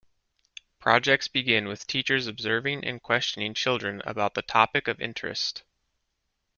Projects begin with teachers observing and questioning children about the topic of interest.